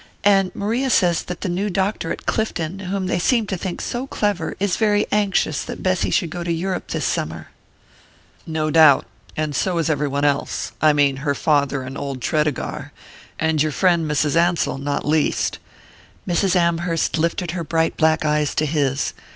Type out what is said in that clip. And Maria says that the new doctor at Clifton, whom they seem to think so clever, is very anxious that Bessy should go to Europe this summer." "No doubt; and so is every one else: I mean her father and old Tredegar and your friend Mrs. Ansell not least." Mrs. Amherst lifted her bright black eyes to his.